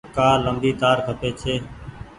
ڪآ ليمبي تآر کپي ڇي۔